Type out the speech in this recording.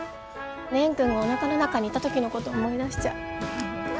蓮くんがおなかの中にいた時のこと思い出しちゃう。